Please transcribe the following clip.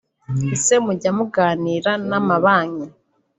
Ese mujya muganira n’amabanki